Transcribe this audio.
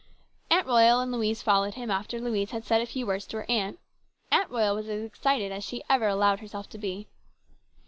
Aunt Royal and Louise followed him, after Louise had said a few words to her aunt. Aunt Royal was as excited as she ever allowed herself to be.